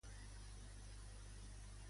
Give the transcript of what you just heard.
Com és la forma en què escriu Crates?